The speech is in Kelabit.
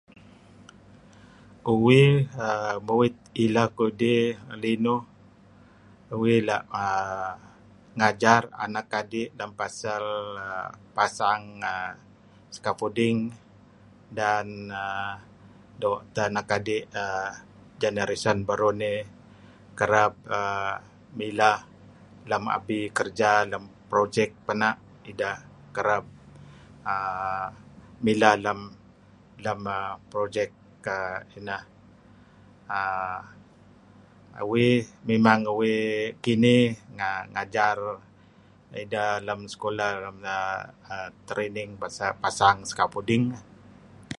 Uih err muit ileh kudih ngelinuh uih la' err ngajar anak adi' lem pasal pasang err scaffolding, dan err doo' teh anak adi err generation beruh nih kereb err mileh lem abi kerja lem projek peh na' ideh kereb err mileh lem lem err projek err ineh. Uih memang uih kinih nga ngajar ideh lem sekulah training pasal pasang scaffolding.